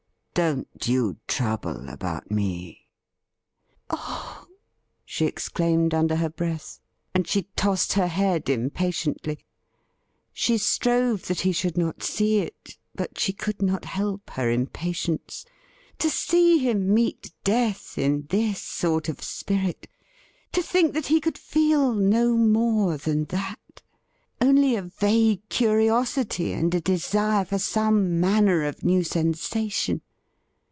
Don't you trouble about me.' 'Oh!' she exclaimed under her breath, and she tossed ner head impatiently. 314 THE RIDDLE RING She strove that he should not see it, but she could not help her impatience. To see him meet death in this sort of spirit ! To think that he could feel no more than that ! Only a vague curiosity and a desire for some manner of new sensation